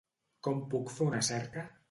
Com puc fer una cerca?